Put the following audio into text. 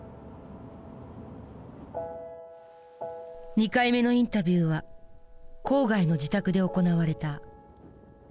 ２回目のインタビューは郊外の自宅で行われた。